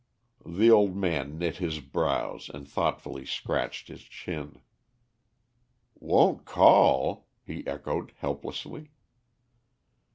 The old man knit his brows and thoughtfully scratched his chin. "Won't call?" he echoed helplessly.